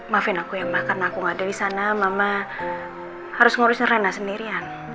maafin aku ya mbak karena aku gak ada di sana mama harus ngurusin rena sendirian